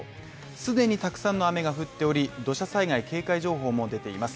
既にたくさんの雨が降っており、土砂災害警戒情報も出ています。